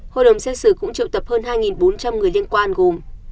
hội đồng xét xử cũng triệu tập hơn hai bốn trăm linh người liên quan gồm